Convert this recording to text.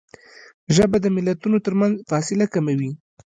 ژبه د ملتونو ترمنځ فاصله کموي